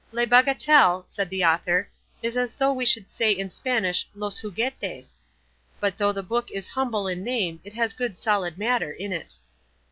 "Le Bagatelle," said the author, "is as though we should say in Spanish Los Juguetes; but though the book is humble in name it has good solid matter in it."